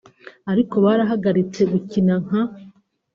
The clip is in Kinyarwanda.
ariko barahagaritse gukina nka